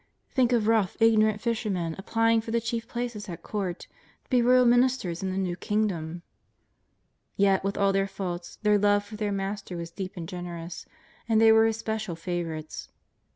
Think of rough, ignorant fishermen applying for the chief places at Court, to be royal ministers in the new Kingdom! Yet with all their faults, their love for their Master was deep and generous, and they were His special fa vourites.